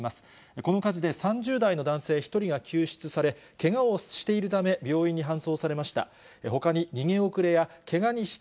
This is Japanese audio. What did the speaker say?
この火事で３０代の男性１人が救出され、けがをしているため、病院に搬送されました。